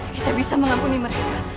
kita bisa mengampuni mereka